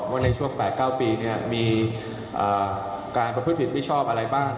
ว่าในช่วง๘๙ปีมีการประพฤติผิดไม่ชอบอะไรบ้าง